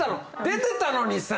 出てたのにさ。